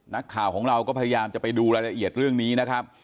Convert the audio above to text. นักข่าวของเราก็พยายามจะไปดูรายละเอียดเรื่องนี้นะครับ